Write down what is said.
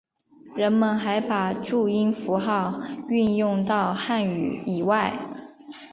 人们还把注音符号运用到汉语以外。